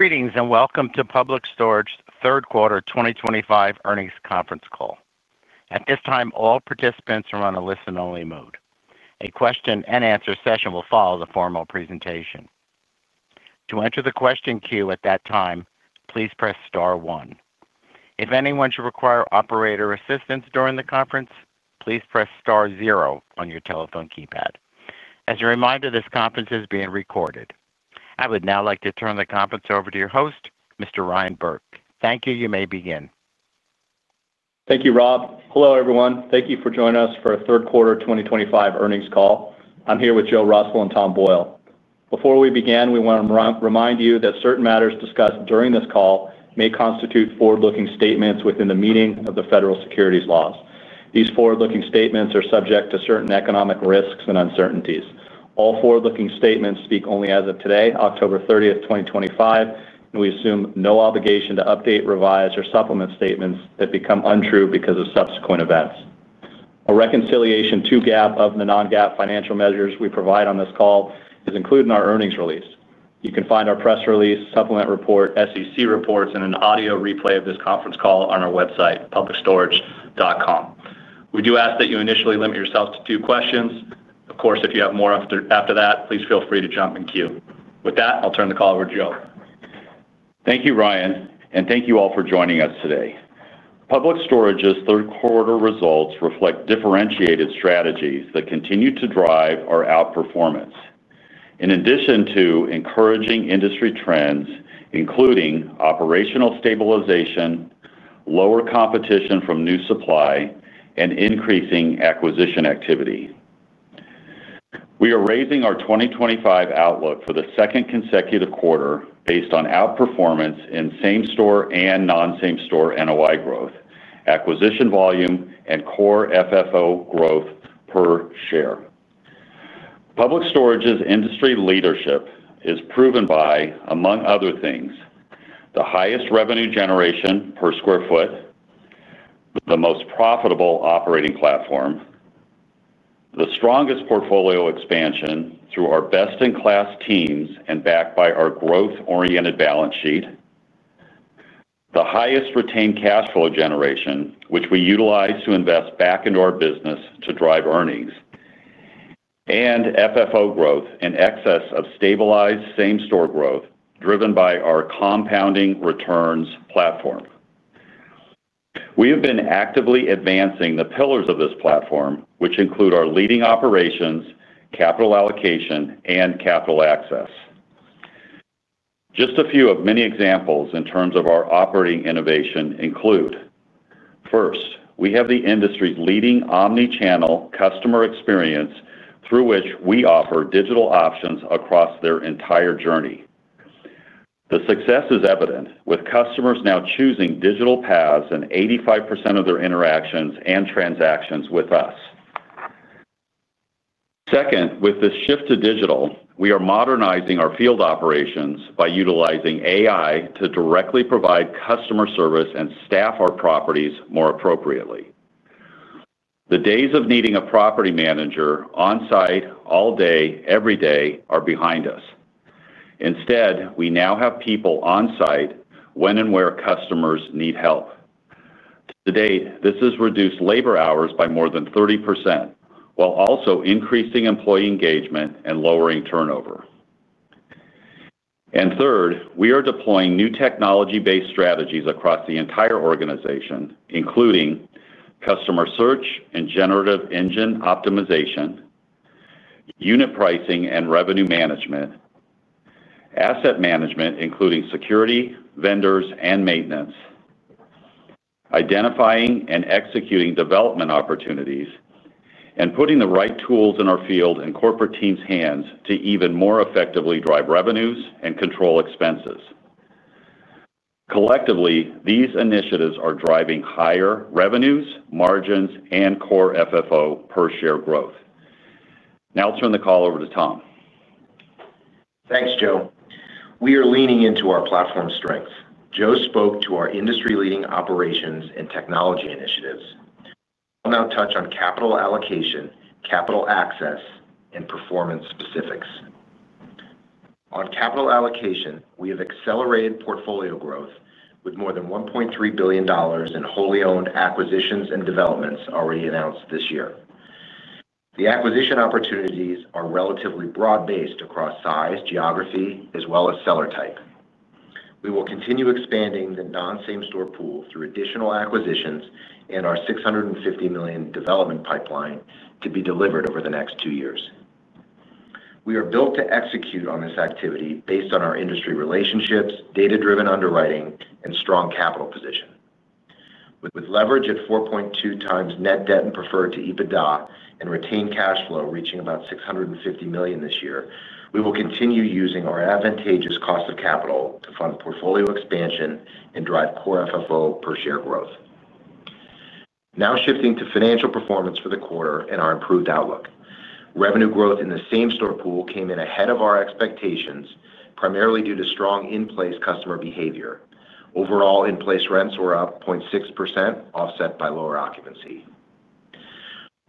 Greetings and welcome to Public Storage third quarter 2025 earnings conference call. At this time, all participants are on a listen-only mode. A question and answer session will follow the formal presentation. To enter the question queue at that time, please press star one. If anyone should require operator assistance during the conference, please press star zero on your telephone keypad. As a reminder, this conference is being recorded. I would now like to turn the conference over to your host, Mr. Ryan Burke. Thank you. You may begin. Thank you, Rob. Hello everyone. Thank you for joining us for a third quarter 2025 earnings call. I'm here with Joe Russell and Tom Boyle. Before we begin, we want to remind you that certain matters discussed during this call may constitute forward looking statements within the meaning of the federal securities laws. These forward looking statements are subject to certain economic risks and uncertainties. All forward looking statements speak only as of today, October 30, 2025, and we assume no obligation to update, revise, or supplement statements that become untrue because of subsequent events. A reconciliation to GAAP of the non-GAAP financial measures we provide on this call is included in our earnings release. You can find our press release, supplement report, SEC reports, and an audio replay of this conference call on our website publicstorage.com. We do ask that you initially limit yourself to two questions. Of course, if you have more after that, please feel free to jump in queue. With that, I'll turn the call over to Joe. Thank you, Ryan, and thank you all for joining us today. Public Storage's third quarter results reflect differentiated strategies that continue to drive our outperformance. In addition to encouraging industry trends including operational stabilization, lower competition from new supply, and increasing acquisition activity, we are raising our 2025 outlook for the second consecutive quarter based on outperformance in Same Store and Non-Same Store NOI growth, acquisition volume, and core FFO growth per share. Public Storage's industry leadership is proven by, among other things, the highest revenue generation per square foot, the most profitable operating platform, the strongest portfolio expansion through our best-in-class teams, and backed by our growth-oriented balance sheet, the highest retained cash flow generation which we utilize to invest back into our business to drive earnings and FFO growth in excess of stabilized Same Store growth driven by our compounding returns platform. We have been actively advancing the pillars of this platform which include our leading operations, capital allocation, and capital access. Just a few of many examples in terms of our operating innovation include first, we have the industry's leading omnichannel digital customer experience through which we offer digital options across their entire journey. The success is evident with customers now choosing digital paths and 85% of their interactions and transactions with us. Second, with this shift to digital, we are modernizing our field operations by utilizing AI to directly provide customer service and staff our properties more appropriately. The days of needing a property manager on site all day, every day are behind us. Instead, we now have people on site when and where customers need help. To date, this has reduced labor hours by more than 30% while also increasing employee engagement and lowering turnover. Third, we are deploying new technology-based strategies across the entire organization including customer search and generative engine optimization, unit pricing and revenue management, asset management including security, vendors and maintenance, identifying and executing development opportunities, and putting the right tools in our field and corporate team's hands to even more effectively drive revenues and control expenses. Collectively, these initiatives are driving higher revenues, margins, and core FFO per share growth. Now I'll turn the call over to Tom. Thanks Joe. We are leaning into our platform strengths. Joe spoke to our industry leading operations and technology initiatives. I'll now touch on capital allocation, capital access, and performance. Specifics on capital allocation: we have accelerated portfolio growth with more than $1.3 billion in wholly owned acquisitions and developments already announced this year. The acquisition opportunities are relatively broad based across size, geography, as well as seller type. We will continue expanding the Non-Same Store pool through additional acquisitions and our $650 million development pipeline to be delivered over the next two years. We are built to execute on this activity based on our industry relationships, data driven underwriting, and strong capital position with leverage at 4.2 times net debt and preferred to EBITDA and retained cash flow reaching about $650 million this year. We will continue using our advantageous cost of capital to fund portfolio expansion and drive core FFO per share growth. Now shifting to financial performance for the quarter and our improved outlook. Revenue growth in the Same Store pool came in ahead of our expectations primarily due to strong in place customer behavior. Overall, in place rents were up 0.6% offset by lower occupancy.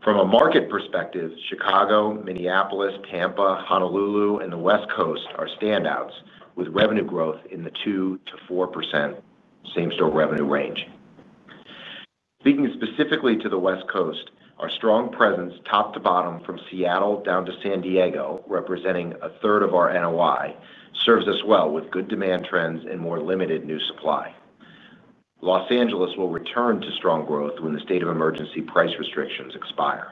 From a market perspective, Chicago, Minneapolis, Tampa, Honolulu, and the West Coast are standouts with revenue growth in the 2%-4% Same Store revenue range. Speaking specifically to the West Coast, our strong presence top to bottom from Seattle down to San Diego, representing a third of our NOI, serves us well with good demand trends and more limited new supply. Los Angeles will return to strong growth when the state of emergency price restrictions expire.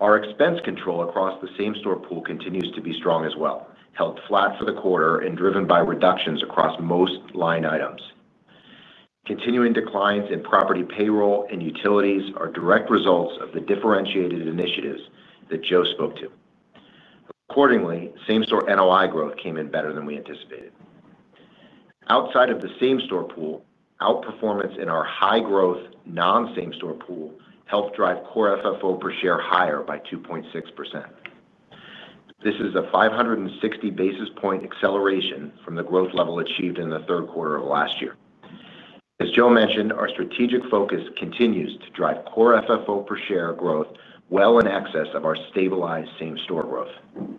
Our expense control across the Same Store pool continues to be strong as well, held flat for the quarter and driven by reductions across most line items. Continuing declines in property, payroll, and utilities are direct results of the differentiated initiatives that Joe spoke to. Accordingly, Same Store NOI growth came in better than we anticipated. Outside of the Same Store pool, outperformance in our high growth Non-Same Store pool helped drive core FFO per share higher by 2.6%. This is a 560 basis point acceleration from the growth level achieved in the third quarter of last year. As Joe mentioned, our strategic focus continues to drive core FFO per share growth well in excess of our stabilized Same Store growth.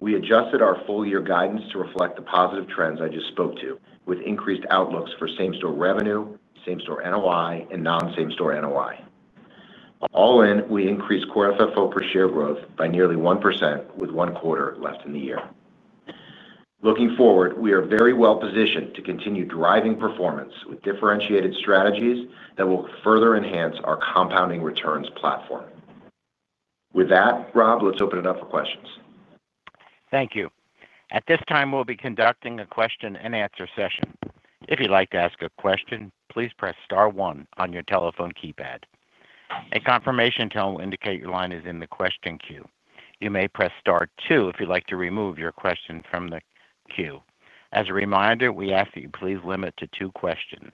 We adjusted our full year guidance to reflect the positive trends I just spoke to. With increased outlooks for Same Store revenue, Same Store NOI, and Non-Same Store NOI, all in, we increased core FFO per share growth by nearly 1% with one quarter left in the year. Looking forward, we are very well positioned to continue driving performance with differentiated strategies that will further enhance our compounding returns platform. With that, Rob, let's open it up for questions. Thank you. At this time, we'll be conducting a question and answer session. If you'd like to ask a question, please press star one on your telephone keypad. A confirmation tone will indicate your line is in the question queue. You may press star two if you'd like to remove your question from the queue. As a reminder, we ask that you please limit to two questions.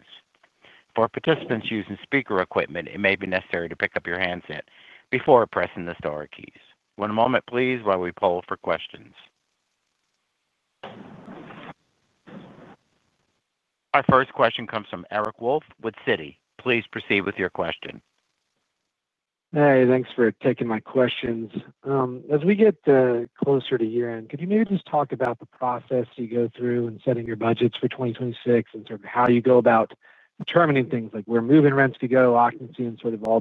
For participants using speaker equipment, it may be necessary to pick up your handset before pressing the star keys. One moment please, while we poll for questions. Our first question comes from Eric Wolfe with Citi. Please proceed with your question. Hey, thanks for taking my questions. As we get closer to year end, could you maybe just talk about the process you go through in setting your budgets for 2026 and sort of how you go about determining things like where moving rents could go, occupancy, and sort of all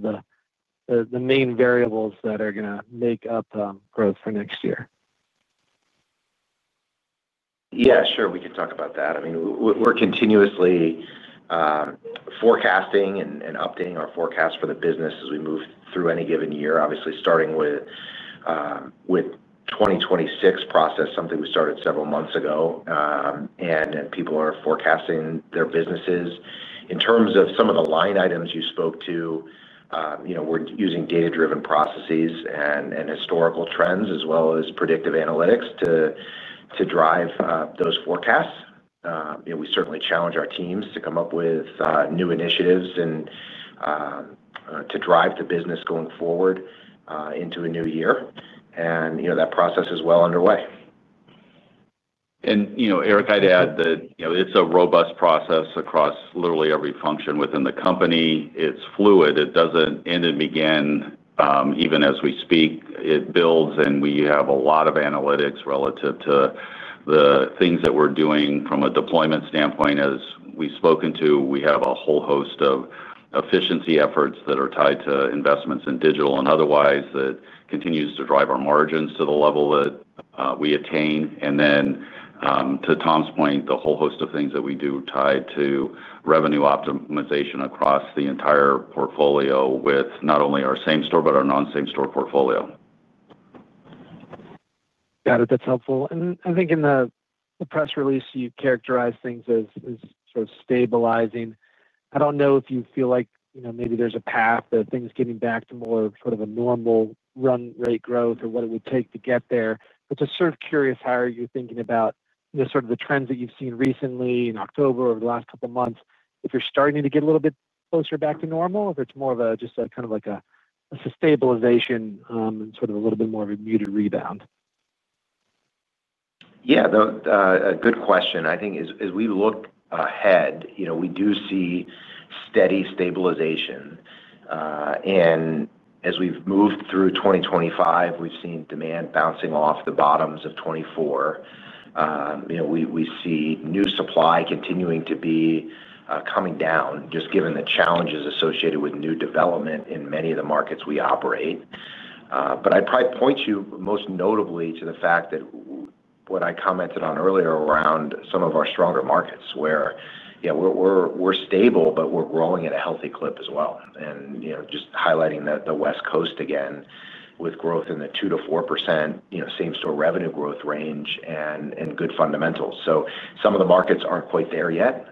the main variables that are going to make up growth for next year? Yeah, sure, we can talk about that. I mean, we're continuously forecasting and updating our forecast for the business as we move through any given year. Obviously, starting with 2026 process, something we started several months ago, people are forecasting their businesses in terms of some of the line items spoke to. We're using data-driven processes and historical trends as well as predictive analytics to drive those forecasts. We certainly challenge our teams to come up with new initiatives to drive the business going forward into a new year. That process is well underway. Eric, I'd add that it's a robust process across literally every function within the company. It's fluid, it doesn't end, even as we speak. It builds, and we have a lot of analytics relative to the things that we're doing from a deployment standpoint. As we've spoken to, we have a whole host of efficiency efforts that are tied to investments in digital and otherwise that continues to drive our margins to the level that we attain. To Tom's point, the whole host of things that we do is tied to revenue optimization across the entire portfolio with not only our Same Store, but our Non-Same Store portfolio. Got it. That's helpful. I think in the press release you characterize things as sort of stabilizing. I don't know if you feel like maybe there's a path that things getting back to more sort of a normal run rate growth or what it would take to get there. I'm just sort of curious, how are you thinking about the trends that you've seen recently in October, over the last couple months, if you're starting to get a little bit closer back to normal, if it's more of just kind of like a stabilization and a little bit more of a muted rebound? Yeah, good question. I think as we look ahead, you know, we do see steady stabilization and as we've moved through 2025, we've seen demand bouncing off the bottoms of 2024. We see new supply continuing to be coming down just given the challenges associated with new development in many of the markets we operate. I'd probably point you most notably to the fact that what I commented on earlier around some of our stronger markets where we're stable, but we're growing at a healthy clip as well. Just highlighting the West Coast again with growth in the 2%-4% Same Store revenue growth range and good fundamentals. Some of the markets aren't quite there yet,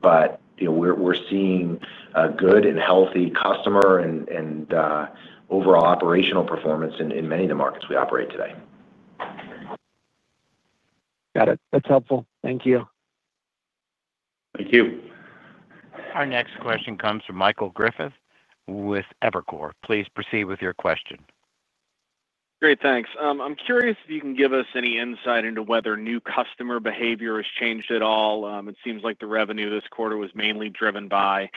but we're seeing a good and healthy customer and overall operational performance in many of the markets we operate today. Got it. That's helpful. Thank you. Thank you. Our next question comes from Michael Griffin with Evercore. Please proceed with your question. Great, thanks. I'm curious if you can give us. Any insight into whether new customer behavior has changed at all? It seems like the revenue this quarter was mainly driven by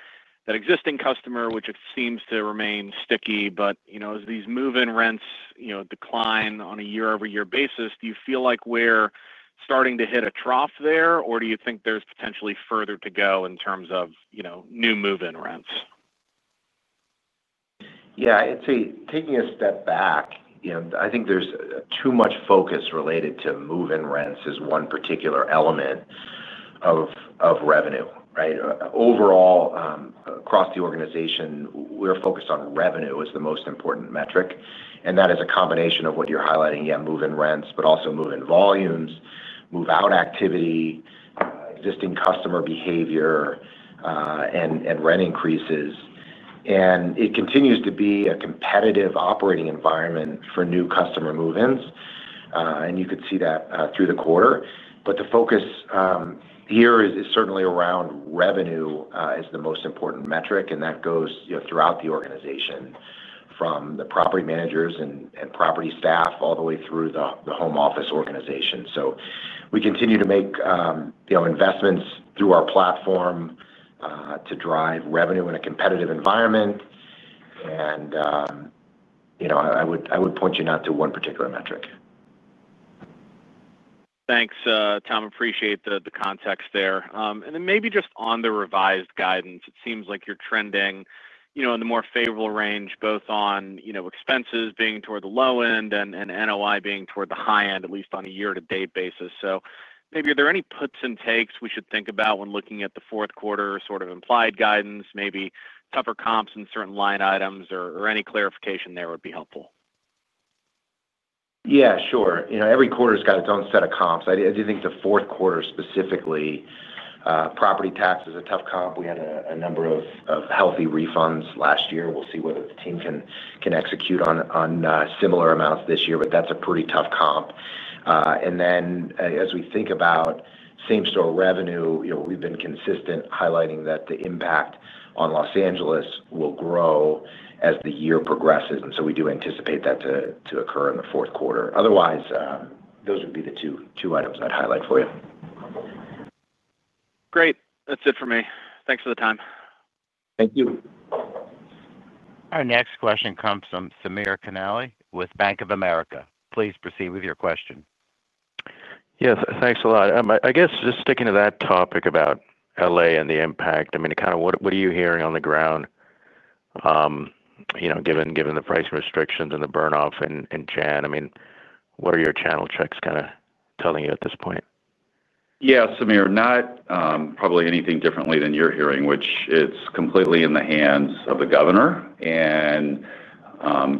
that existing customer, which seems to remain sticky. As these move-in rents decline on a. year-over-year basis, do you feel like. We're starting to hit a trough there, or do you think there's potentially further to go in terms of, you know, new move-in rents? I'd say taking a step back, I think there's too much focus related to move in rents as one particular element of revenue. Right. Overall, across the organization, we're focused on revenue as the most important metric. That is a combination of what you're highlighting, move in rents, but also move in volumes, move out activity, existing customer behavior, and rent increases. It continues to be a competitive operating environment for new customer move ins, and you could see that through the quarter. The focus here is certainly around revenue as the most important metric, and that goes throughout the organization, from the property managers and property staff all the way through the home office organization. We continue to make investments through our platform to drive revenue in a competitive environment. I would point you not to one particular metric. Thanks, Tom. Appreciate the context there. Maybe just on the revised. Guidance, it seems like you're trending. In the more favorable range, both on expenses being toward the low end and NOI being toward the high end, at least on a year to date basis. Maybe are there any puts and takes we should think about when looking at the fourth quarter, sort of implied guidance, maybe tougher comps in certain line items or any clarification there would be helpful. Yeah, sure. You know, every quarter's got its own set of comp. I do think the fourth quarter specifically, property tax is a tough comp. We had a number of healthy refunds last year. We'll see whether the team can execute on similar amounts this year, but that's a pretty tough comp. As we think about Same Store revenue, you know, we've been consistent highlighting that the impact on Los Angeles will grow as the year progresses. We do anticipate that to occur in the fourth quarter. Otherwise, those would be the two items I'd highlight for you. Great. That's it for me. Thanks for the time. Thank you. Our next question comes from Samir Khanal with Bank of America. Please proceed with your question. Yes, thanks a lot. I guess just sticking to that topic about L.A. and the impact, what are you hearing on the ground, given the price restrictions and the burn off in January? What are your channel checks telling you at this point? Yeah, Sameer, not probably anything differently than you're hearing, which it's completely in the hands of the governor, and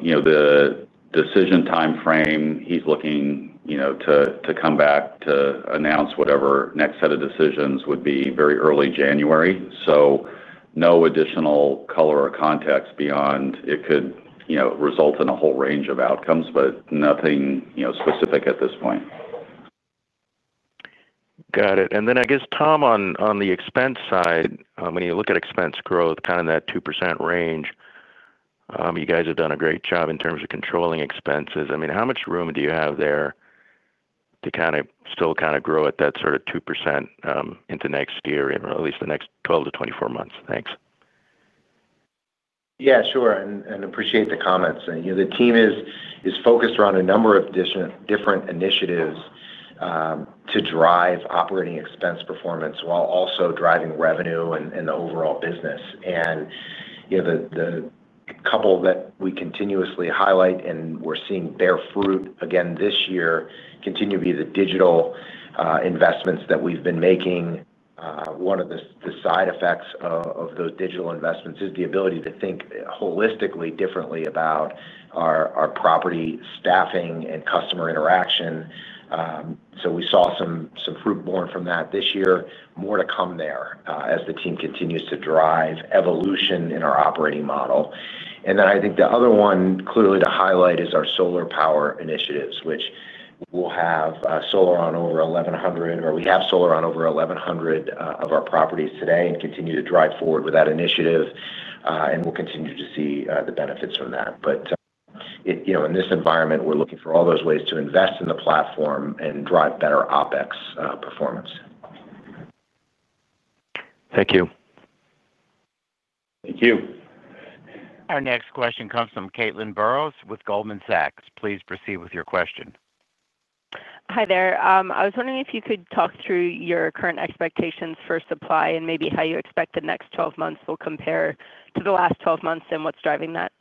you know, the decision timeframe he's looking to come back to announce whatever next set of decisions would be very early January. No additional color or context beyond it could result in a whole range of outcomes, but nothing specific at this point. Got it. Tom, on the expense side, when you look at expense growth, kind of that 2% range, you guys have done a great job in terms of controlling expenses. How much room do you have there to still kind of grow at that sort of 2% into next year, at least the next 12 to 24 months? Thanks. Yeah, sure. Appreciate the comments. The team is focused around a number of different initiatives to drive operating expense performance while also driving revenue and the overall business. The couple that we continuously highlight and we're seeing bear fruit again this year continue to be the digital investments that we've been making. One of the side effects of those digital investments is the ability to think holistically differently about our property, staffing, and customer interaction. We saw some fruit born from that this year. More to come there as the team continues to drive evolution in our operating model. I think the other one clearly to highlight is our solar power initiatives, which will have solar on over 1,100 or we have solar on over 1,100 of our properties today and continue to drive forward with that initiative. We'll continue to see the benefits from that. In this environment, we're looking for all those ways to invest in the platform and drive better OpEx performance. Thank you. Thank you. Our next question comes from Caitlin Burrows with Goldman Sachs. Please proceed with your question. Hi there. I was wondering if you could talk through your current expectations for supply and maybe how you expect the next 12 months will compare to the last 12 months and what's driving that?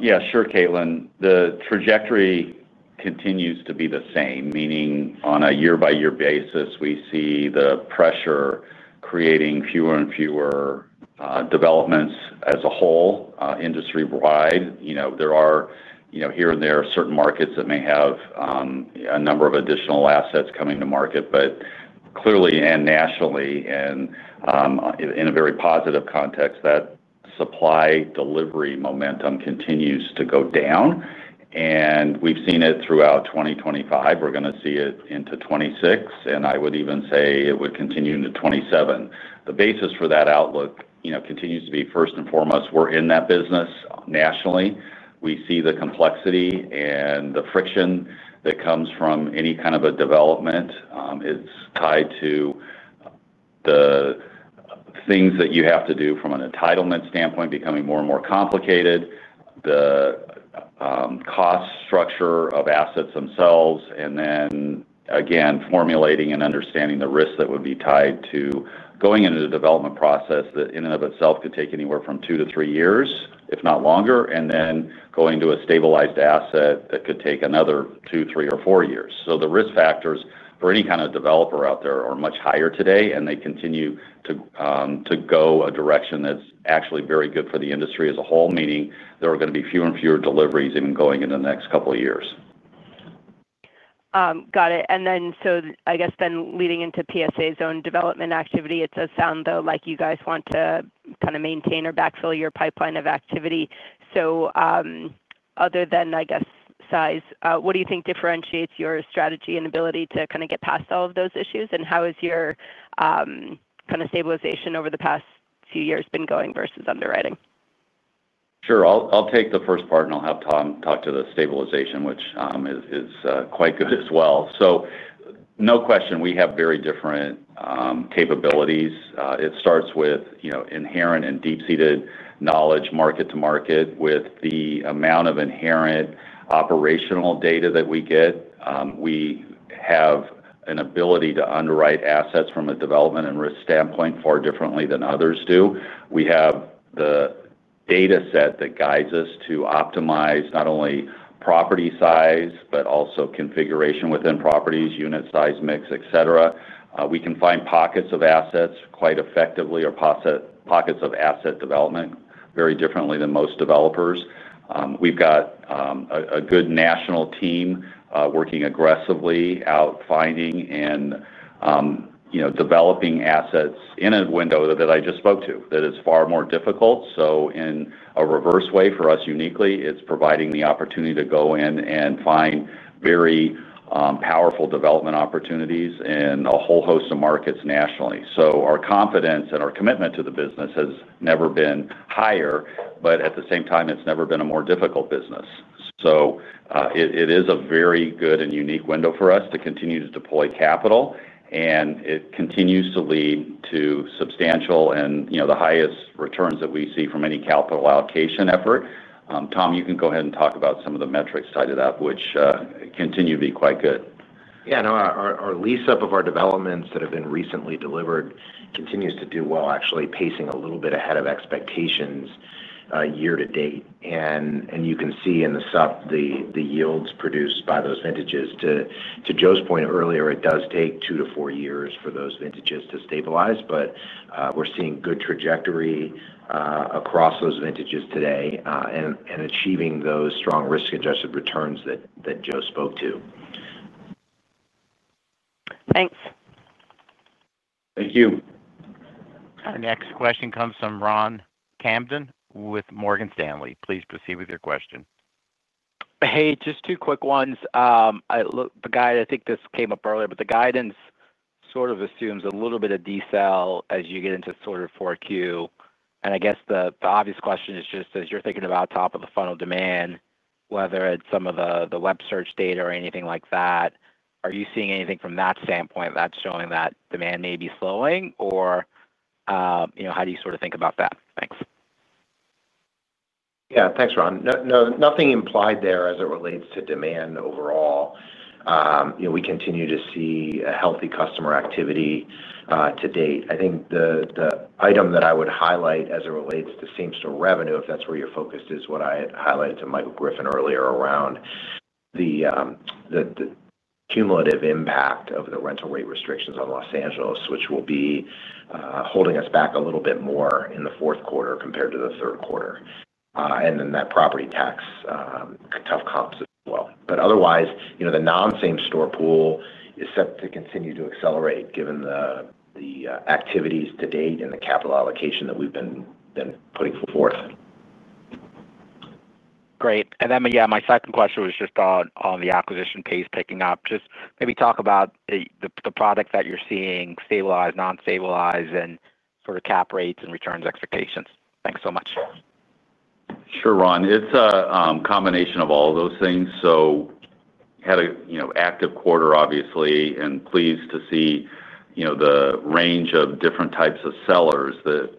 Yeah, sure, Caitlin. The trajectory continues to be the same. Meaning on a year by year basis, we see the pressure creating fewer and fewer developments as a whole industry wide. There are, here and there, certain markets that may have a number of additional assets coming to market. Clearly and nationally, and in a very positive context, that supply delivery momentum continues to go down, and we've seen it throughout 2025. We're going to see it into 2026, and I would even say it would continue into 2027. The basis for that outlook continues to be first and foremost, we're in that business nationally. We see the complexity and the friction that comes from any kind of a development. It's tied to the things that you have to do from an entitlement standpoint becoming more and more complicated. The cost structure of assets themselves and then again formulating and understanding the risks that would be tied to going into the development process that in and of itself could take anywhere from two to three years, if not longer, and then going to a stabilized asset that could take another two, three, or four years. The risk factors for any kind of developer out there are much higher today and they continue to go a direction that's actually very good for the industry as a whole. Meaning there are going to be fewer and fewer deliveries even going into the next couple of years. Got it. I guess then leading into PSA's own development activity, it does sound like you guys want to kind of maintain or backfill your pipeline of activity. Other than, I guess, size, what do you think differentiates your strategy and ability to kind of get past all of those issues? How has your kind of stabilization over the past few years been going versus underwriting? Sure, I'll take the first part and I'll have Tom talk to the stabilization, which is quite good as well. No question we have very different capabilities. It starts with inherent and deep-seated knowledge, market to market. With the amount of inherent operational data that we get, we have an ability to underwrite assets from a development and risk standpoint far differently than others do. We have the data set that guides us to optimize not only property size, but also configuration within properties, unit size, mix, et cetera. We can find pockets of assets quite effectively or pockets of asset development very differently than most developers. We've got a good national team working aggressively out finding and developing assets in a window that I just spoke to that is far more difficult. In a reverse way for us, uniquely, it's providing the opportunity to go in and find very powerful development opportunities in a whole host of markets nationally. Our confidence and our commitment to the business has never been higher, but at the same time it's never been a more difficult business. It is a very good and unique window for us to continue to deploy capital and it continues to lead to substantial and, you know, the highest returns that we see from any capital allocation effort. Tom, you can go ahead and talk about some of the metrics tied to that which continue to be quite good. Yeah, no, our lease up of our developments that have been recently delivered continues to do well, actually pacing a little bit ahead of expectations year to date. You can see in the sup the yields produced by those vintages. To Joe's point earlier, it does take two to four years for those vintages to stabilize. We're seeing good trajectory across those vintages today and achieving those strong risk adjusted returns that Joe spoke to. Thanks. Thank you. Our next question comes from Ron Kamdem with Morgan Stanley. Please proceed with your question. Hey, just two quick ones. The guidance, I think this came up earlier, but the guidance sort of assumes. A little bit of decel as you. Get into sort of 4Q, and I guess the obvious question is just as. You're thinking about top of the funnel. Demand, whether it's some of the web search data or anything like that, are. You seeing anything from that standpoint? Showing that demand may be slowing. How do you sort of think about that? Thanks. Yeah, thanks, Ron. Nothing implied there. As it relates to demand overall, we continue to see healthy customer activity to date. I think the item that I would highlight as it relates to Same Store revenue, if that's where you're focused, is what I highlighted to Michael Griffin earlier around the cumulative impact of the rental rate restrictions on Los Angeles, which will be holding us back a little bit more in the fourth quarter compared to the third quarter, and then that property tax tough comps as well. Otherwise, the Non-Same Store pool is set to continue to accelerate given the activities to date and the capital allocation that we've been putting forth. Great. and then my second question was just on the acquisition pace picking up. Just maybe talk about the products that. You're seeing stabilized, non-stabilized, and sort of cap rates and returns expectations. Thanks so much. Sure, Ron. It's a combination of all those things. Had an active quarter, obviously, and pleased to see the range of different types of sellers that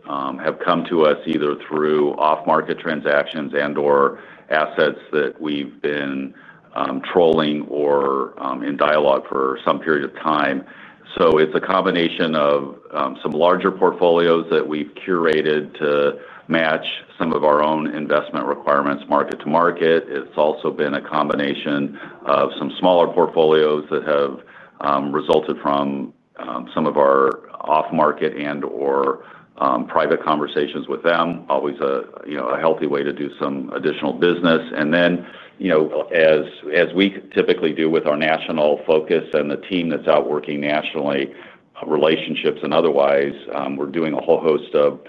have come to us either through off-market transactions or assets that we've been trolling or in dialogue for some period of time. It's a combination of some larger portfolios that we've curated to match some of our own investment requirements market to market. It's also been a combination of some smaller portfolios that have resulted from some of our off-market or private conversations with them. Always a healthy way to do some additional business. As we typically do with our national focus and the team that's out working nationally, relationships and otherwise, we're doing a whole host of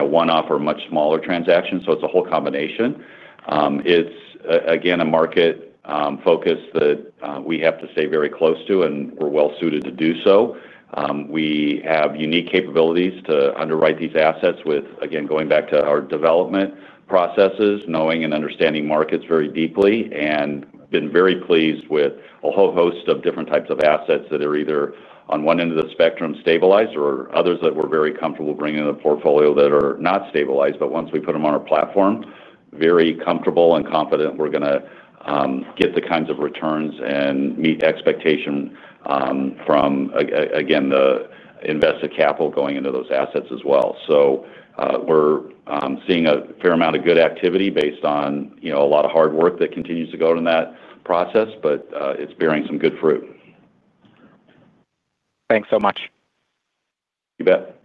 one-off or much smaller transactions. It's a whole combination. It's a market focus that we have to stay very close to, and we're well suited to do so. We have unique capabilities to underwrite these assets with, again, going back to our development processes, knowing and understanding markets very deeply, and been very pleased with a whole host of different types of assets that are either on one end of the spectrum stabilized or others that we're very comfortable bringing in a portfolio that are not stabilized. Once we put them on our platform, very comfortable and confident we're going to get the kinds of returns and meet expectation from the invested capital going into those assets as well. We're seeing a fair amount of good activity based on a lot of hard work that continues to go in that process. It's bearing some good fruit. Thanks so much. You bet.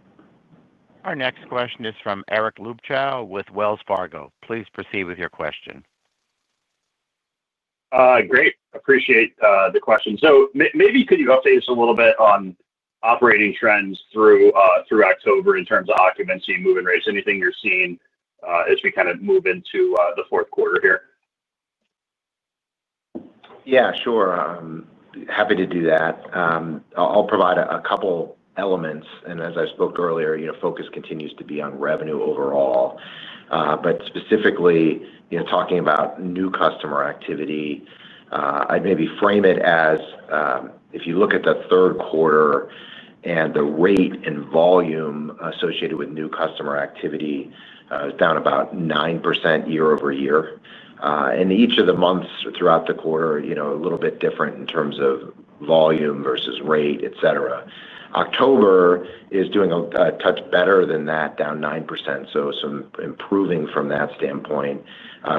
Our next question is from Eric Luebchow with Wells Fargo. Please proceed with your question. Great. Appreciate the question. Could you update us a little bit on operating trends through October in terms of occupancy, moving rates, anything you're seeing as we kind of move into the fourth quarter here? Yeah, sure, happy to do that. I'll provide a couple elements. As I spoke earlier, focus continues to be on revenue overall, but specifically talking about new customer activity, I'd maybe frame it as if you look at the third quarter and the rate and volume associated with new customer activity, down about 9% year-over-year, and each of the months throughout the quarter, you know, a little bit different in terms of volume versus rate, etc. October is doing a touch better than that, down 9%. Some improving from that standpoint,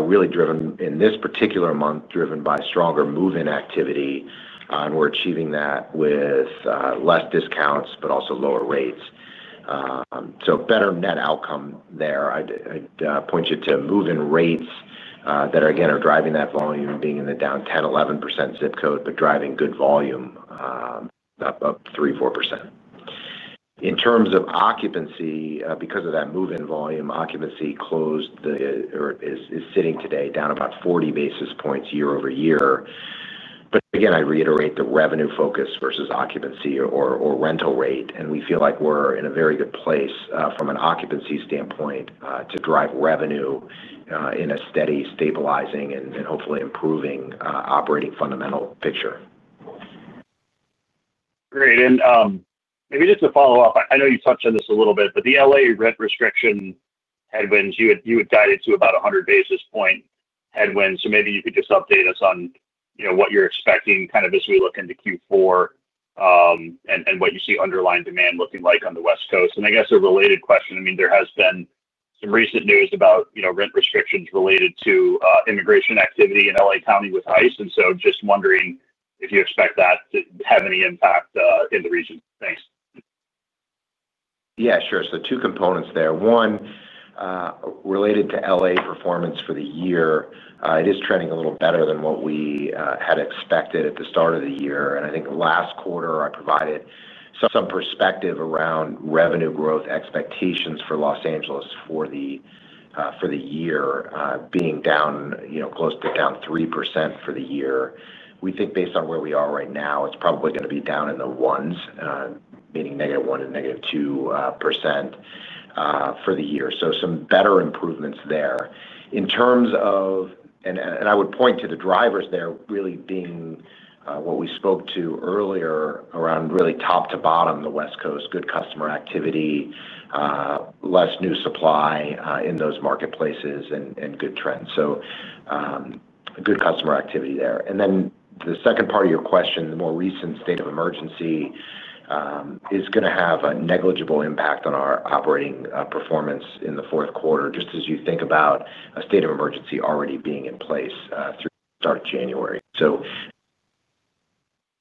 really driven in this particular month by stronger move-in activity, and we're achieving that with less discounts but also lower rates. Better net outcome there. I'd point you to move-in rates that again are driving that volume, being in the down 10%-11% zip code, but driving good volume up 3%-4% in terms of occupancy because of that move-in volume. Occupancy closed or is sitting today down about 40 basis points year-over-year. Again, I'd reiterate the revenue focus versus occupancy or rental rate, and we feel like we're in a very good place from an occupancy standpoint to drive revenue in a steady, stabilizing, and hopefully improving operating fundamental picture. Great. Maybe just to follow up, I know you touched on this a little bit, but the L.A. rent restriction headwinds you had guided to about 100 basis point headwinds. Could you update us on what you're expecting as we look into Q4 and what you see underlying demand looking like on the West Coast? A related question, there has been some recent news about rent restrictions related to immigration activity in L.A. County with ICE. Do you expect that to have any impact in the region? Thanks. Yeah, sure. Two components there, one related to L.A. performance for the year. It is trending a little better than what we had expected at the start of the year. I think last quarter I provided some perspective around revenue growth expectations for Los Angeles for the year being down, you know, close to down 3% for the year. We think based on where we are right now, it's probably going to be down in the ones, meaning negative 1% and negative 2% for the year. Some better improvements there in terms of. Of. I would point to the drivers there really being what we spoke to earlier around really top to bottom the West Coast, good customer activity, less new supply in those marketplaces, and good trends. Good customer activity there. The second part of your question, the more recent state of emergency is going to have a negligible impact on our operating performance in the fourth quarter, just as you think about a state of emergency already being in place through start January.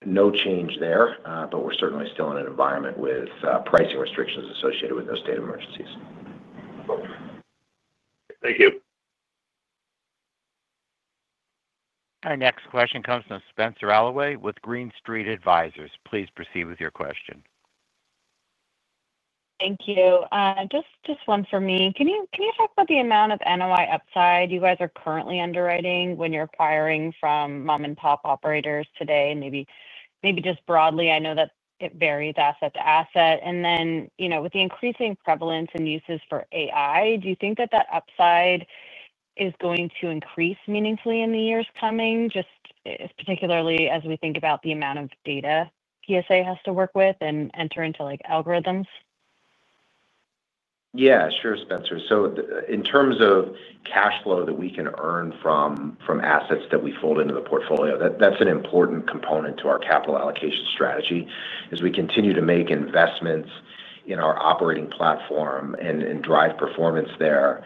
No change there, but we're certainly still in an environment with pricing restrictions associated with those state emergencies. Thank you. Our next question comes from Spenser Allaway with Green Street Advisors. Please proceed with your question. Thank you. Just one for me. Can you talk about the amount of NOI upside you guys are currently underwriting when you're acquiring from mom and pop operators today? Maybe just broadly, I know that it varies asset to asset. With the increasing prevalence and uses for AI, do you think that that upside is going to increase meaningfully in the years coming, just particularly as we think about the amount of data PSA has to work with and enter into, like algorithms? Yeah, sure, Spenser. In terms of cash flow that we can earn from assets that we fold into the portfolio, that's an important component to our capital allocation strategy. As we continue to make investments in our operating platform and drive performance there,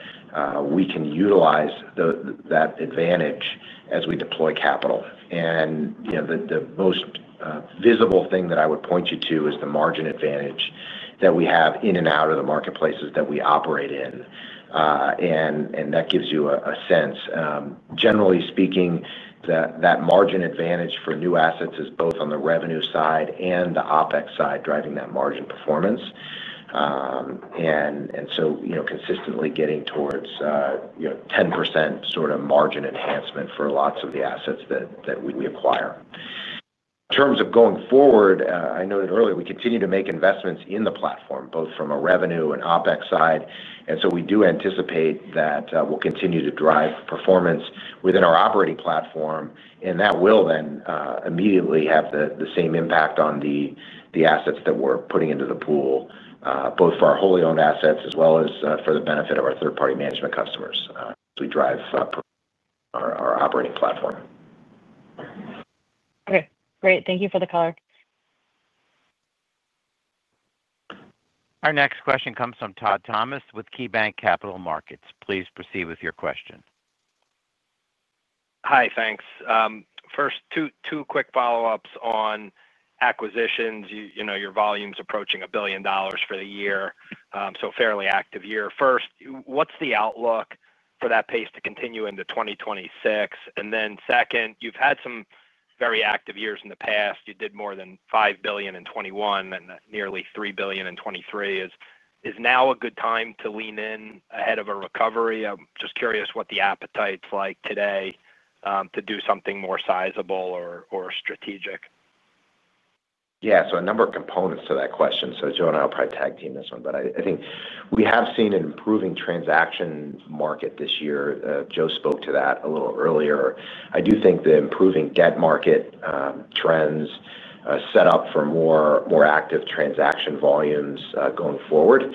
we can utilize that advantage as we deploy capital. The most visible thing that I would point you to is the margin advantage that we have in and out of the marketplaces that we operate in. That gives you a sense, generally speaking, that margin advantage for new assets is both on the revenue side and the OpEx side, driving that margin performance and getting towards 10% sort of margin enhancement for lots of the assets that we acquire. In terms of going forward, I noted earlier we continue to make investments in the platform both from a revenue and OpEx side. We do anticipate that we'll continue to drive performance within our operating platform and that will then immediately have the same impact on the assets that we're putting into the pool, both for our wholly owned assets as well as for the benefit of our third party management customers as we drive our operating platform. Okay, great. Thank you for the color. Our next question comes from Todd Thomas with KeyBanc Capital Markets. Please proceed with your question. Hi. Thanks. First, two quick follow ups on acquisitions. Your volumes approaching $1 billion for the year, so fairly active year. First, what's the outlook for that pace to continue into 2026? Then, you've had some very active years in the past. You did more than $5 billion in 2021 and nearly $3 billion in 2023. Is now a good time to lean in ahead of a recovery? I'm just curious what the appetite's like today to do something more sizable or strategic. Yeah, a number of components to that question. Joe and I will probably tag team this one. I think we have seen an improving transaction market this year. Joe spoke to that a little earlier. I do think the improving debt market trends set up for more active transaction volumes going forward.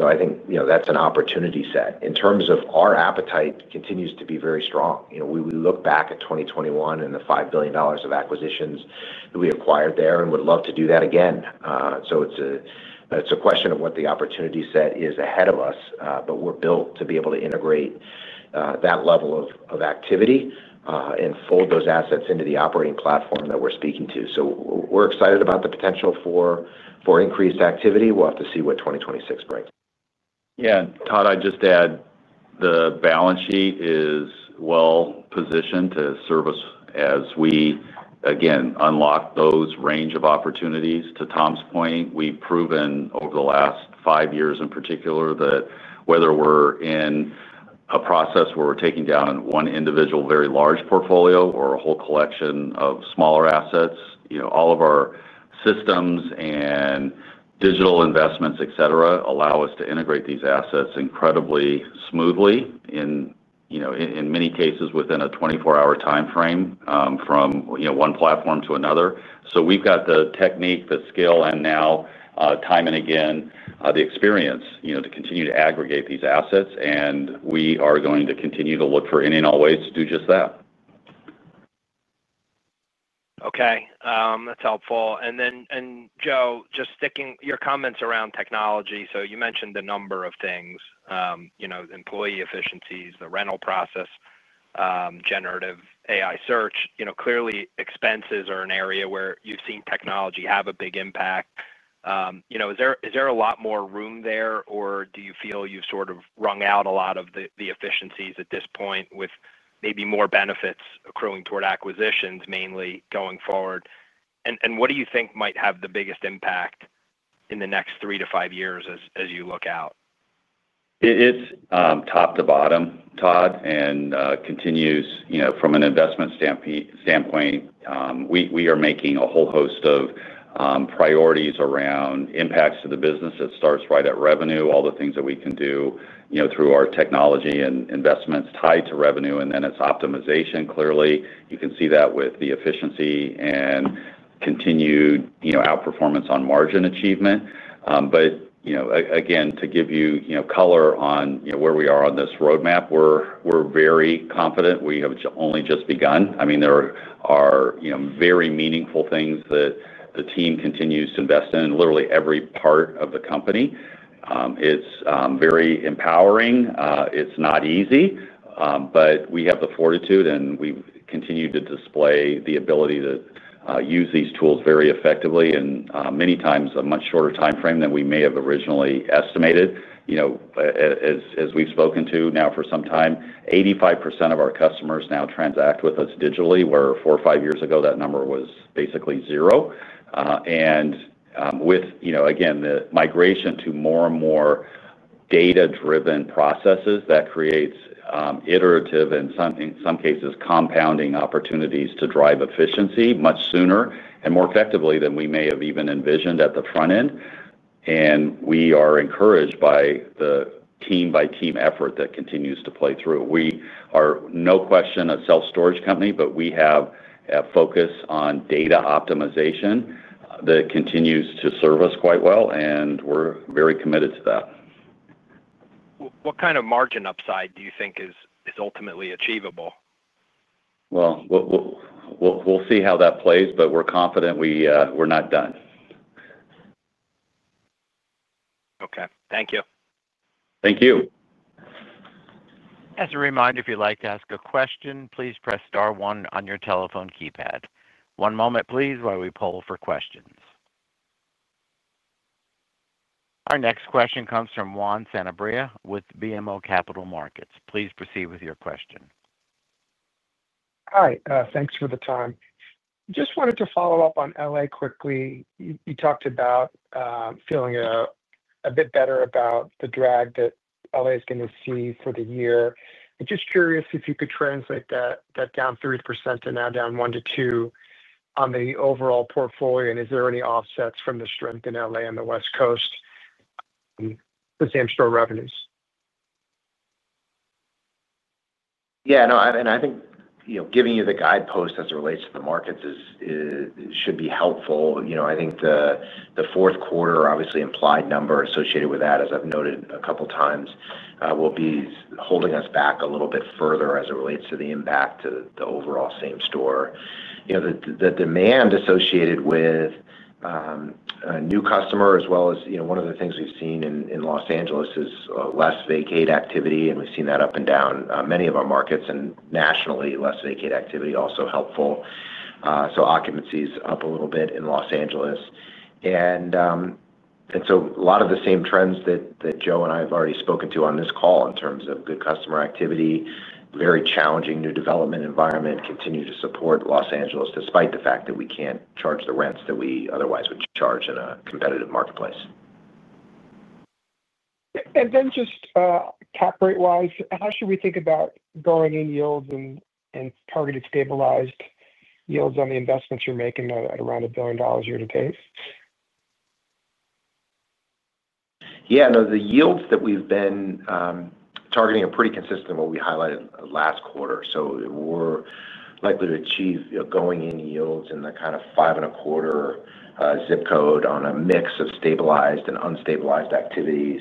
I think that's an opportunity set in terms of our appetite continues to be very strong. We look back at 2021 and the $5 billion of acquisitions that we acquired there and would love to do that again. It's a question of what the opportunity set is ahead of us. We're built to be able to integrate that level of activity and fold those assets into the operating platform that we're speaking to. We're excited about the potential for increased activity. We'll have to see what 2026 brings. Yeah, Todd, I'd just add the balance sheet is well positioned to serve us as we again unlock those range of opportunities. To Tom's point, we've proven over the last five years in particular that whether we're in a process where we're taking down one individual, very large portfolio or a whole collection of smaller assets, all of our systems and digital investments, etcetera, allow us to integrate these assets incredibly smoothly, in many cases within a 24 hour time frame from one platform to another. We've got the technique, the skill, and now time and again, the experience to continue to aggregate these assets. We are going to continue to look for any and all ways to do just that. Okay, that's helpful. Joe, just sticking to your comments around technology. You mentioned a number of things: employee efficiencies, the rental process, generative AI search. Clearly, expenses are an area where you've seen technology have a big impact. Is there a lot more room there, or do you feel you've sort of rung out a lot of the efficiencies at this point, with maybe more benefits accruing toward acquisitions mainly going forward? What do you think might have the biggest impact in the next three to five years as you look out? It's top to bottom, Todd, and continues from an investment standpoint. We are making a whole host of priorities around impacts to the business. It starts right at revenue. All the things that we can do, you know, through our technology and investments tied to revenue. Then it's optimization. Clearly you can see that with the efficiency and continued outperformance on margin achievement. To give you color on where we are on this roadmap, we're very confident we have only just begun. There are very meaningful things that the team continues to invest in literally every part of the company. It's very empowering, it's not easy, but we have the fortitude and we continue to display the ability to use these tools very effectively and many times in a much shorter timeframe than we may have originally estimated. As we've spoken to now for some time, 85% of our customers now transact with us digitally where four or five years ago that number was basically zero. With the migration to more and more data driven processes, that creates iterative and in some cases compounding opportunities to drive efficiency much sooner and more effectively than we may have even envisioned at the front end. We are encouraged by the team, by team effort that continues to play through. We are no question a self-storage company, but we have a focus on data optimization that continues to serve us quite well and we're very committed to that. What kind of margin upside do you think is ultimately achievable? We will see how that plays, but we're confident we're not done. Okay, thank you. Thank you. As a reminder, if you'd like to ask a question, please press Star one on your telephone keypad. One moment, please. While we poll for questions, our next question comes from Juan Sanabria with BMO Capital Markets. Please proceed with your question. Hi, thanks for the time. Just wanted to follow up on L.A. quickly. You talked about feeling a bit better about the drag that L.A. is going to see for the year. Just curious if you could translate that down 3% to now, down 1%-2% on the overall portfolio. Is there any offsets from the strength in L.A. and the West Coast, the Same Store revenues? No. I think giving you the guidepost as it relates to the markets should be helpful. I think the fourth quarter obviously implied number associated with that, as I've noted a couple times, will be holding us back a little bit further as it relates to the impact to the overall Same Store. The demand associated with new customer as well as one of the things we've seen in Los Angeles is less vacate activity. We've seen that up and down many of our markets and nationally less vacate activity also helpful. Occupancy is up a little bit in Los Angeles and a lot of the same trends that Joe and I have already spoken to on this call in terms of good customer activity, very challenging new development environment, continue to support Los Angeles despite the fact that we can't charge the rents that we otherwise would charge in a competitive marketplace. Just cap rate wise, how should we think about going in yields and targeted stabilized yields on the investments you're making at around $1 billion year to date? Yeah, the yields that we've been targeting are pretty consistent with what we highlighted last quarter. We're likely to achieve going-in yields in the kind of 5.25 zip code on a mix of stabilized and unstabilized activities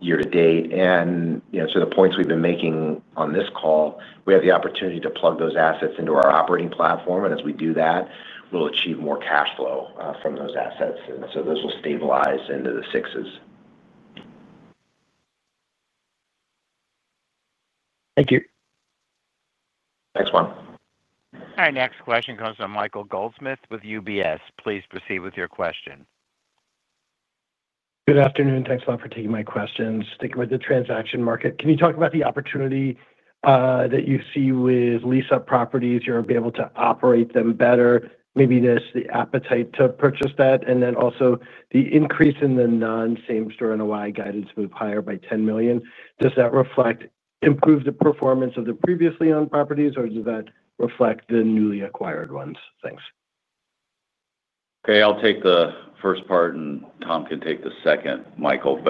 year to date. The points we've been making on this call, we have the opportunity to plug those assets into our operating platform. As we do that, we'll achieve more cash flow from those assets, and those will stabilize into the sixes. Thank you. Thanks, Juan. Our next question comes from Michael Goldsmith with UBS. Please proceed with your question. Good afternoon. Thanks a lot for taking my questions. Sticking with the transaction market, can you talk about the opportunity that you see with lease up properties, you'll be able to operate them better. Maybe this is the appetite to purchase that and then also the increase in the Non-Same Store NOI guidance move higher by $10 million. Does that reflect improved performance of the previously owned properties or does that reflect the newly acquired ones? Thanks. Okay, I'll take the first part and Tom can take the second. Michael,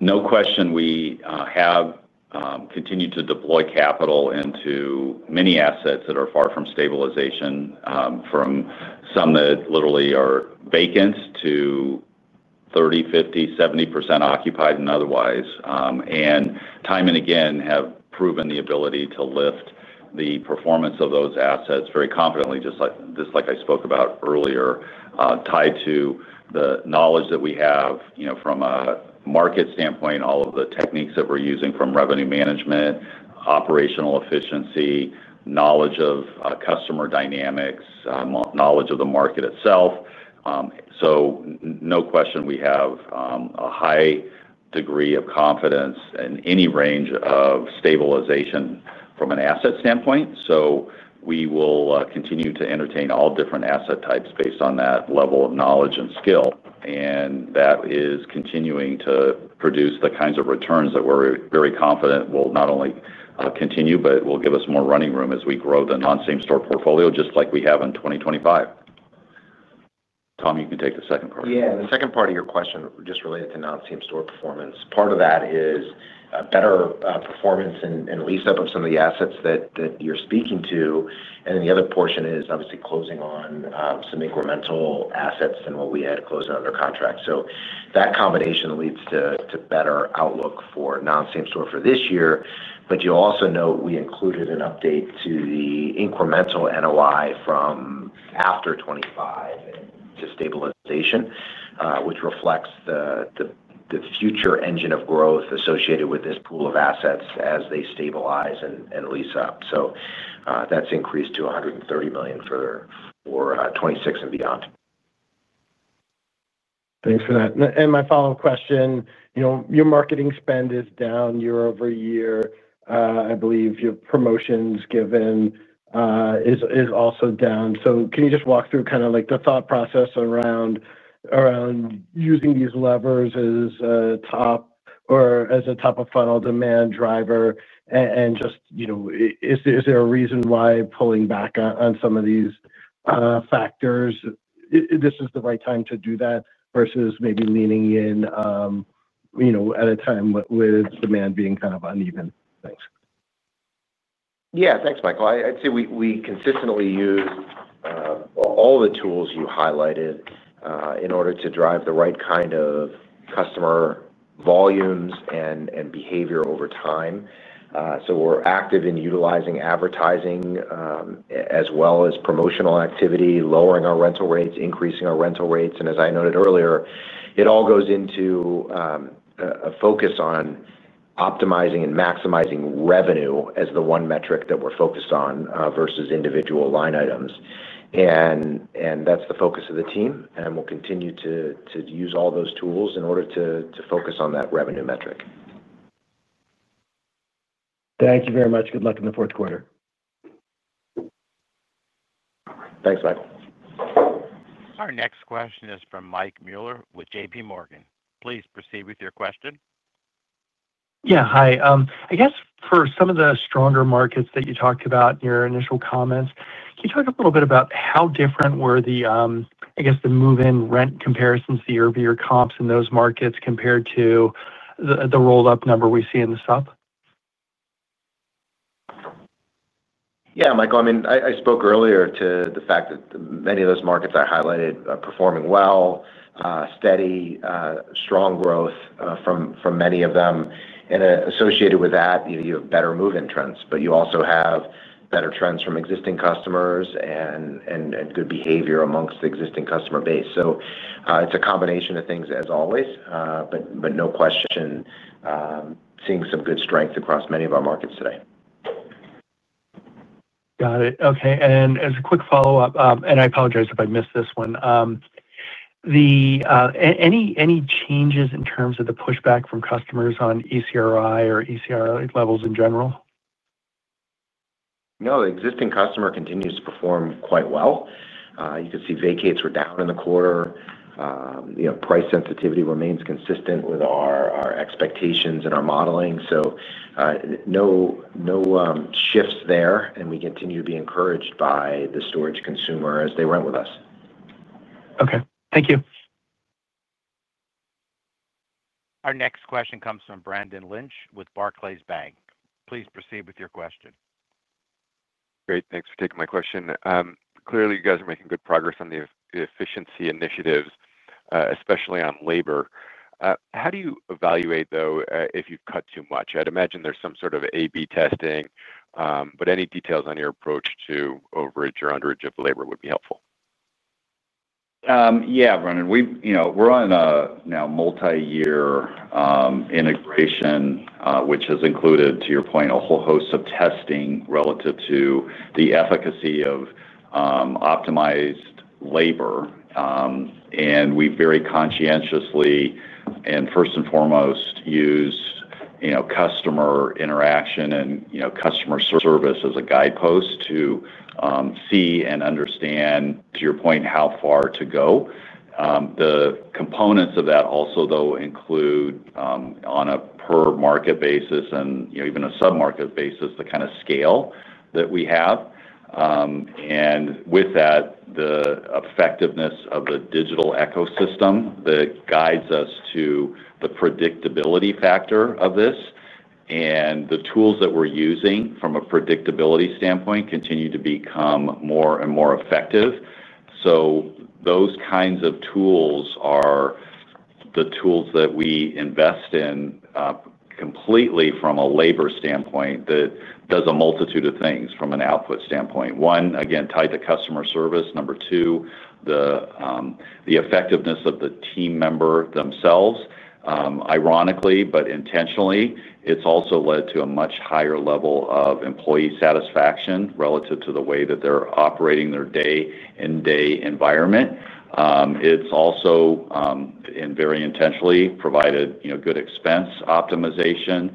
no question we have continued to deploy capital into many assets that are far from stabilization, from some that literally are vacant to 30%, 50%, 70% occupied and otherwise, and time and again have proven the ability to lift the performance of those assets very confidently, just like I spoke about earlier, tied to the knowledge that we have from a market standpoint, all of the techniques that we're using from revenue management, operational efficiency, knowledge of customer dynamics, knowledge of the market itself. No question we have a high degree of confidence in any range of stabilization from an asset standpoint. We will continue to entertain all different asset types based on that level of knowledge and skill, and that is continuing to produce the kinds of returns that we're very confident will not only continue, but will give us more running room as we grow the Non-Same Store portfolio just like we have in 2025. Tom, you can take the second part. Yeah, the second part of your question just related to Non-Same Store performance. Part of that is better performance and lease up of some of the assets that you're speaking to, and the other portion is obviously closing on some incremental assets than what we had closed on their contract. That combination leads to better outlook for Non-Same Store for this year. You'll also note we included an update to the incremental NOI from after 2025 to stabilization, which reflects the future engine of growth associated with this pool of assets as they stabilize and lease up. That's increased to $130 million for 2026 and beyond. Thanks for that. My follow up question, your marketing spend is down year-over-year. I believe your promotions given is also down. Can you just walk through kind of like the thought process around using these levers as a top of funnel demand driver, and is there a reason why pulling back on some of these factors, this is the right time to do that versus maybe leaning in at a time with demand being kind of uneven? Thanks. Yeah, thanks, Michael. I'd say we consistently use all the tools you highlighted in order to drive the right kind of customer volumes and behavior over time. We are active in utilizing advertising, advertising as well as promotional activity, lowering our rental rates, increasing our rental rates, and as I noted earlier, it all goes into a focus on optimizing and maximizing revenue as the one metric that we're focused on versus individual line items. That's the focus of the team, and we'll continue to use all those tools in order to focus on that revenue metric. Thank you very much. Good luck in the fourth quarter. Thanks Michael. Our next question is from Mike Mueller with JP Morgan. Please proceed with your question. Yeah, hi. For some of the stronger markets that you talked about in your initial comments, can you talk a little bit about how different were the move-in rent comparisons, the year-over-year comps in those markets compared to the roll-up number we see in the South? Yeah, Michael, I spoke earlier to the fact that many of those markets I highlighted are performing well, steady strong growth from many of them. Associated with that, you have better move-in trends, but you also have better trends from existing customers and good behavior amongst the existing customer base. It is a combination of things as always, but no question seeing some good strength across many of our markets today. Got it. Okay. As a quick follow up, I apologize if I missed this one. Any changes in terms of the pushback from customers on ECRI or ECRI levels in general? No. The existing customer continues to perform quite well. You can see vacates were down in the quarter. Price sensitivity remains consistent with our expectations and our modeling. No shifts there. We continue to be encouraged by the storage consumer as they rent with us. Okay, thank you. Our next question comes from Brendan Lynch with Barclays Bank. Please proceed with your question. Great, thanks for taking my question. Clearly you guys are making good progress on the efficiency initiatives, especially on labor. How do you evaluate though if you've cut too much? I'd imagine there's some sort of A/B testing, but any details on your approach to overage or underage of labor would be helpful. Yeah, Brendan, we're on a now multi-year integration which has included, to your point, a whole host of testing relative to the efficacy of optimized labor. We very conscientiously and first and foremost use customer interaction and customer service as a guidepost to see and understand, to your point, how far to go. The components of that also include, on a per market basis and even a sub-market basis, the kind of scale that we have and, with that, the effectiveness of the digital ecosystem that guides us to the predictability factor of this. The tools that we're using from a predictability standpoint continue to become more and more effective. Those kinds of tools are the tools that we invest in completely from a labor standpoint that do a multitude of things from an output standpoint. One, again tied to customer service. Number two, the effectiveness of the team member themselves. Ironically, but intentionally, it's also led to a much higher level of employee satisfaction relative to the way that they're operating their day and day environment. It's also very intentionally provided good expense optimization.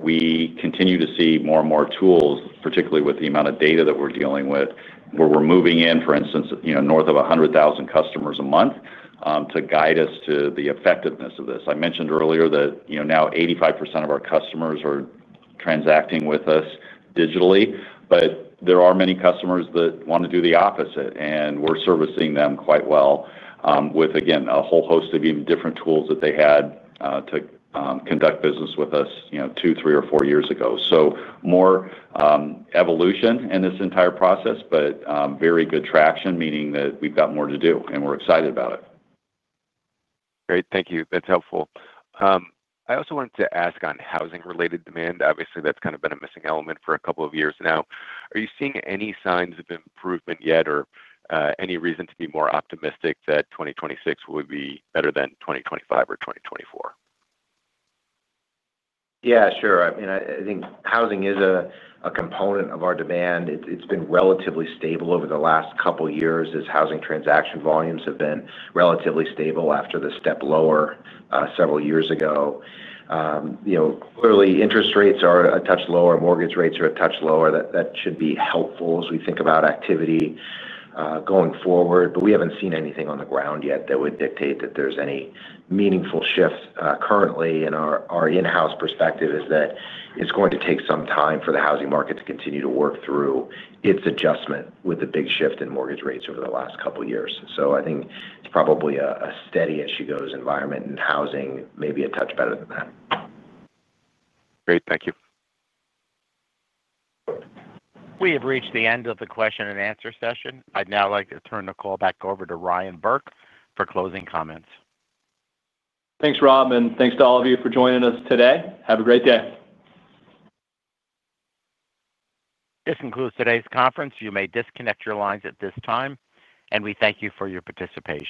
We continue to see more and more tools, particularly with the amount of data that we're dealing with, where we're moving in, for instance, north of 100,000 customers a month to guide us to the effectiveness of this. I mentioned earlier that now 85% of our customers are transacting with us digitally, but there are many customers that want to do the opposite, and we're servicing them quite well with, again, a whole host of even different tools than they had to conduct business with us two, three, or four years ago. More evolution in this entire process, but very good traction, meaning that we've got more to do and we're excited about it. Great, thank you, that's helpful. I also wanted to ask, on housing related demand, obviously that's kind of been a missing element for a couple of years now. Are you seeing any signs of improvement yet or any reason to be more optimistic that 2026 would be better than 2025 or 2024? Yeah, sure. I mean, I think housing is a component of our demand. It's been relatively stable over the last couple years as housing transaction volumes have been relatively stable after the step lower several years ago. Clearly, interest rates are a touch lower, mortgage rates are a touch lower. That should be helpful as we think about activity going forward. We haven't seen anything on the ground yet that would dictate that there's any meaningful shift currently. Our in-house perspective is that it's going to take some time for the housing market to continue to work through its adjustment with the big shift in mortgage rates over the last couple years. I think it's probably a steady as she goes environment and housing may be a touch better than that. Great, thank you. We have reached the end of the question and answer session. I'd now like to turn the call back over to Ryan Burke for closing comments. Thanks, Rob. Thanks to all of you for joining us today. Have a great day. This concludes today's conference. You may disconnect your lines at this time, and we thank you for your participation.